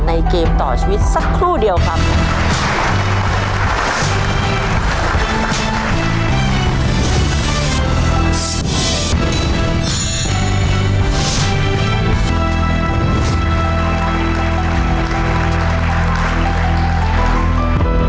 เกมต่อชีวิตสักครู่เดียวครับ